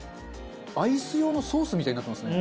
アイス用のソースみたいになってますね。